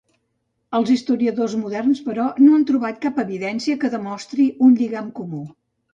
Els historiadors moderns, però, no han trobat cap evidència que demostri un lligam comú.